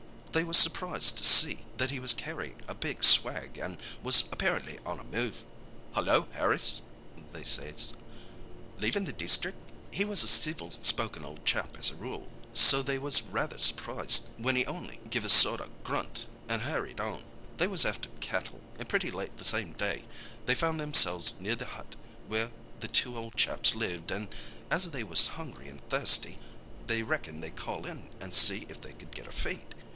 They was surprised to see that he was carryin' a big swag, an' was apparently on a move. "'Hullo, Harris!' they says—'leavin' the district?' He was a civil spoken ol' chap as a rule, so they was rather surprised when he on'y give a sort o' grunt, an' hurried on. "They was after cattle, and pretty late the same day they found themselves near the hut where the two ol' chaps lived, an' as they was hungry an' thirsty, they reckoned they'd call in an' see if they could get a feed.